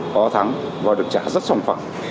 có thắng và được trả rất sòng phẳng